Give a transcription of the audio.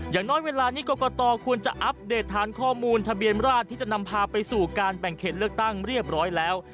อย่างน้อยเวลานี้กรกตควรจะอัปเดตฐานข้อมูลทะเบียนราชที่จะนำพาไปสู่การแบ่งเขตเลือกตั้งเรียบร้อยแล้ว